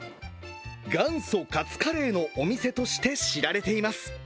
元祖カツカレーのお店として知られています。